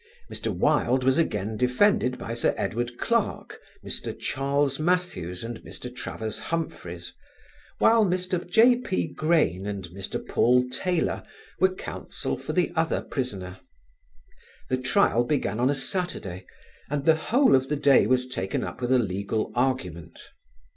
Mr. Wilde was again defended by Sir Edward Clarke, Mr. Charles Mathews and Mr. Travers Humphreys, while Mr. J.P. Grain and Mr. Paul Taylor were counsel for the other prisoner. The trial began on a Saturday and the whole of the day was taken up with a legal argument.